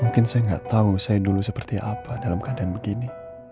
mungkin saya nggak tahu saya dulu seperti apa dalam keadaan begini